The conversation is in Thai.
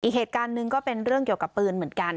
เหตุการณ์หนึ่งก็เป็นเรื่องเกี่ยวกับปืนเหมือนกัน